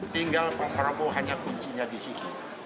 tinggal pak prabowo hanya kuncinya di situ